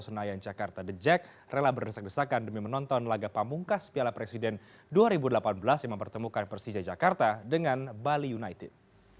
senayan jakarta the jack rela berdesak desakan demi menonton laga pamungkas piala presiden dua ribu delapan belas yang mempertemukan persija jakarta dengan bali united